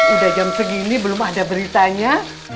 udah jam segini belum ada beritanya